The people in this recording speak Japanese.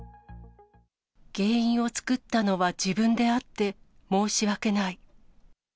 原因を作ったのは自分であって、申し訳ない。